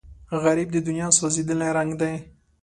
غریب د دنیا سوځېدلی رنګ دی